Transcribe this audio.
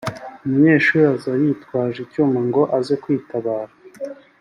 umunyeshuri aza yitwaje icyuma ngo aze kwitabara